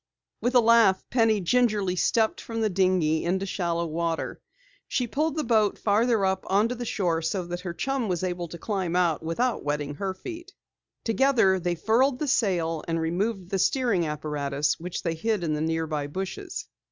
With a laugh, Penny gingerly stepped from the dinghy into shallow water. She pulled the boat farther up onto the shore so that her chum was able to climb out without wetting her feet. Together they furled the sail and removed the steering apparatus which they hid in the nearby bushes.